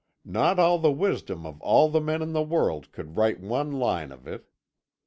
Not all the wisdom of all the men in all the world could write one line of it.